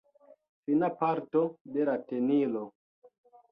Fina parto de la tenilo.